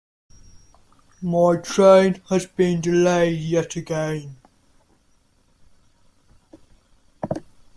My train has been delayed yet again.